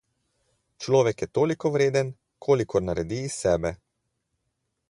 Človek je toliko vreden, kolikor naredi iz sebe.